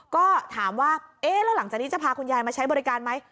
ก็ถามว่าเอ๊ะแล้วหลังจากนี้จะพาคุณยายมาใช้บริการไหม